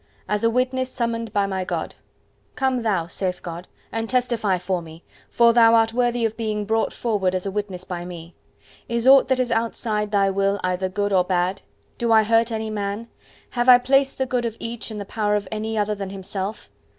As a witness summoned by God. "Come thou," saith God, "and testify for me, for thou art worthy of being brought forward as a witness by Me. Is aught that is outside thy will either good or bad? Do I hurt any man? Have I placed the good of each in the power of any other than himself?